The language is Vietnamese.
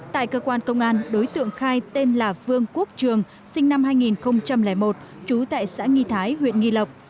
tại cơ quan công an đối tượng khai tên là vương quốc trường sinh năm hai nghìn một trú tại xã nghi thái huyện nghi lộc